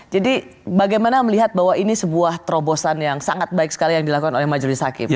jadi bagaimana melihat bahwa ini sebuah terobosan yang sangat baik sekali yang dilakukan oleh majelis hakim